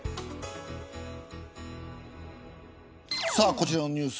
こちらのニュース